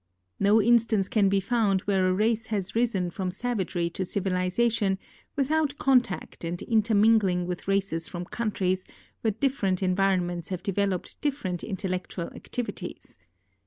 No instance can be found where a race has risen from savagery to civilization without contact and intermingling with races from countries wiiere difierent environ ments have developed different intellectual activities.